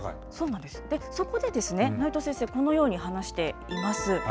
そこでですね、内藤先生、このように話しています。